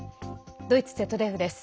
ドイツＺＤＦです。